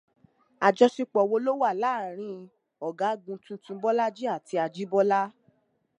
Àjọṣepọ̀ wò ló wà láàrin ọ̀gagun tuntun Bọ́lájí àti Ajíbọ́lá?